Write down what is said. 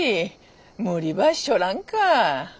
無理ばしちょらんか？